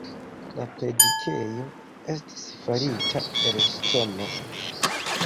La predikejo estis farita el ŝtonoj.